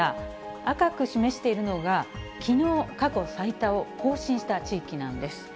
赤く示しているのが、きのう過去最多を更新した地域なんです。